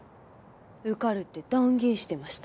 受かるって断言してました。